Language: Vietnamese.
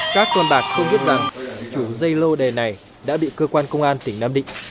các con bạc không biết rằng chủ dây lô đề này đã bị cơ quan công an tỉnh nam định